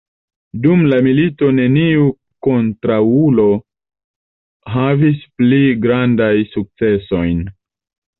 Dum la milito neniu kontraŭulo havis pli grandaj sukcesojn.